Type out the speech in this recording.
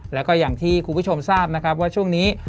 แล้วก็อย่างที่คุณผู้ชมทราบนะครับว่าช่วงนี้